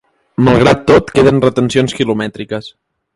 Malgrat tot, queden retencions quilomètriques.